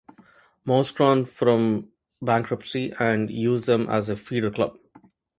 Mouscron from bankruptcy and use them as a feeder club.